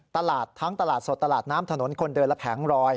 ตลาดทั้งตลาดสดตลาดน้ำถนนคนเดินและแผงรอย